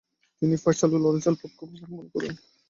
তিনি ফয়সাল ও লরেন্সের পক্ষাবলম্বন করেন।